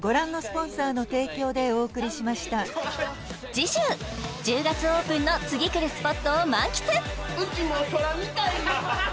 次週１０月オープンの次くるスポットを満喫うちも空見たい！